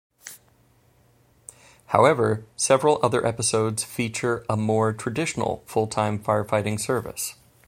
However several other episodes feature a more traditional full-time firefighting service.